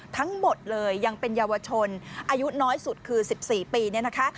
ทั้งหมดเลยยังเป็นเยาวชนอายุน้อยสุดคือ๑๔ปีเนี่ยนะคะ